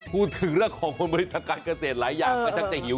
พูดถึงเรื่องของผลผลิตทางการเกษตรหลายอย่างก็ชักจะหิว